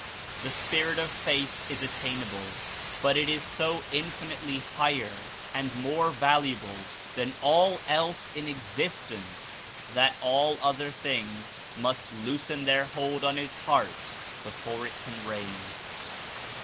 The Spirit of Faith is attainable, but it is so infinitely higher and more valuable than all else in existence that all other things must loosen their hold on his heart before it can reign.